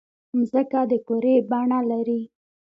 مځکه د کُرې بڼه لري.